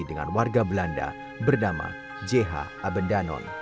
dengan warga belanda bernama jeha abedanon